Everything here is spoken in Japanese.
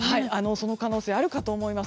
その可能性あるかと思います。